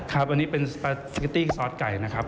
ครับอันนี้เป็นสปาซิเกตตี้ซอสไก่นะครับ